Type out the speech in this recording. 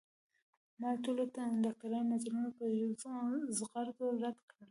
ما د ټولو ډاکترانو نظرونه په زغرده رد کړل